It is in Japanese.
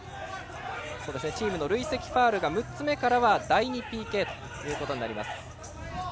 チームの累積ファウルが６つ目からは第２ＰＫとなります。